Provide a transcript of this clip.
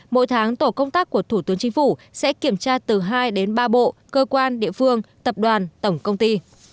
mỗi tháng tổ công tác của thủ tướng chính phủ sẽ kiểm tra từ hai đến ba bộ cơ quan địa phương tập đoàn tổng công ty